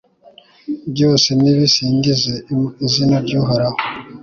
byose nibisingize izina ry'uhoraho